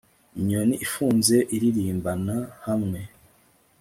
Inyoni ifunze iririmbana hamwe